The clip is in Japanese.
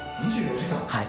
はい